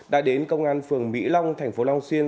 đã đến công an phường mỹ long thành phố long xuyên